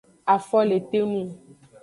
Afo le te nung.